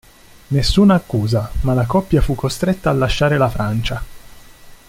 Nessun'accusa, ma la coppia fu costretta a lasciare la Francia.